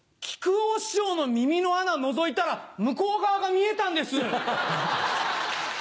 木久扇師匠の耳の穴のぞいたら向こう側が見えたんです。